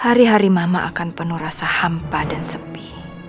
hari hari mama akan penuh rasa hampa dan sepi